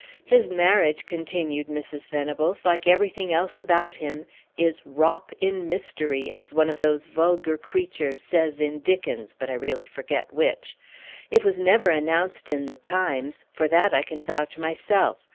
His marriage," continued Mrs. Venables, "like everything else about him, is 'wrop in mystery,' as one of those vulgar creatures says in Dickens, but I really forget which. It was never announced in the Times; for that I can vouch myself.